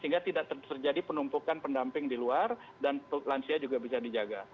sehingga tidak terjadi penumpukan pendamping di luar dan lansia juga bisa dijaga